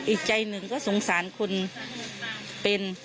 อีกใจหนึ่งก็สงสารคนเป็น